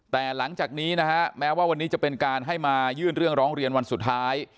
แต่หลังจากนี้นะฮะแม้ว่าวันนี้จะเป็นการให้มายื่นเรื่องร้องเรียนวันสุดท้าย